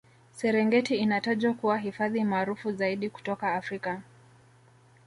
serengeti inatajwa kuwa hifadhi maarufu zaidi kutoka africa